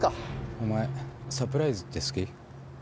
お前サプライズって好き？